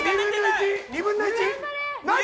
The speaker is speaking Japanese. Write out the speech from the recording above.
２分の１。